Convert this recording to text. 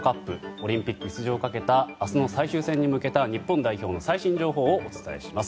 オリンピック出場をかけた明日の最終戦に向けた日本代表の最新情報をお伝えします。